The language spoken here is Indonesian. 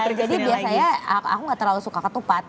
iya jadi biasanya aku gak terlalu suka ketupat